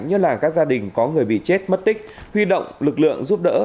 nhất là các gia đình có người bị chết mất tích huy động lực lượng giúp đỡ